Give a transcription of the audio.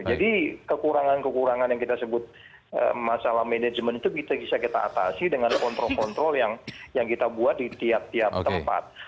jadi kekurangan kekurangan yang kita sebut masalah manajemen itu bisa kita atasi dengan kontrol kontrol yang kita buat di tiap tiap tempat